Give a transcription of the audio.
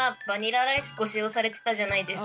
アイスご使用されてたじゃないですか。